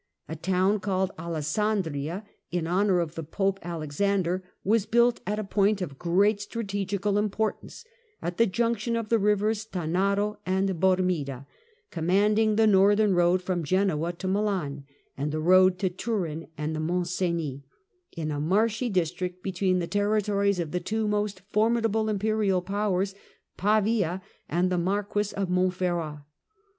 A town called Alessandria in honour of Pope Alexander was built at a point of great strategical importance at the junction of the rivers Tanaro and Bormida, commanding the northern road from Genoa to Milan, and the road to Turin and the Mont Cenis, in a marshy district between the territories of the two most formidable imperial powers, Pavia, and the Marquis of Montferrat.